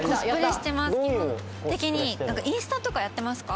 基本的にインスタとかやってますか？